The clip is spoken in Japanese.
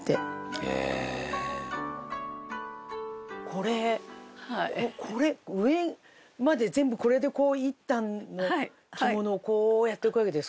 これこれ上まで全部これで一反の着物をこうやっていくわけですか？